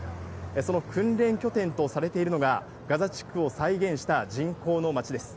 その訓練拠点とされているのが、ガザ地区を再現した人工の町です。